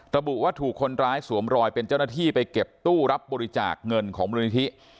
ระบุว่าถูกคนร้ายสวมรอยเป็นเจ้าหน้าที่ไปเก็บตู้รับบริจาคเงินของมูลนิธิ